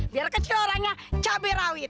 biar kecil orangnya cabai rawit